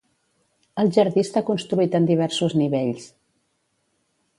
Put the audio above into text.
El jardí esta construït en diversos nivells.